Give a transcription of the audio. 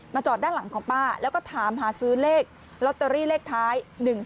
จอดด้านหลังของป้าแล้วก็ถามหาซื้อเลขลอตเตอรี่เลขท้าย๑๓